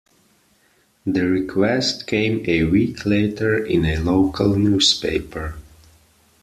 The request came a week later in a local newspaper.